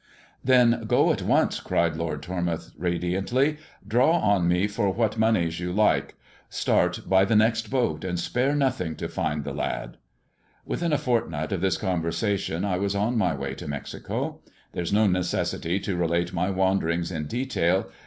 "Then go at once," cried Lord Tormouth radiantly; 1 THE JESOTT AND THE MEXICAN COIN 298 "draw on me for what moneya you like. Start by the ■ next boaf, and spare nothing to find the lad." Within a fortnight of this conver^tion I was on my way to Mexico. There ia no necessity to relate my wanderings in detail.